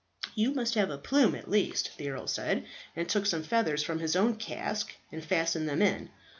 "You must have a plume at least," the earl said, and took some feathers from his own casque and fastened them in.